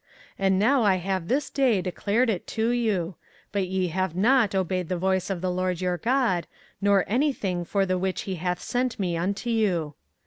24:042:021 And now I have this day declared it to you; but ye have not obeyed the voice of the LORD your God, nor any thing for the which he hath sent me unto you.